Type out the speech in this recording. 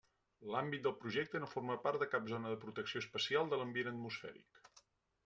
L'àmbit del Projecte no forma part de cap zona de protecció especial de l'ambient atmosfèric.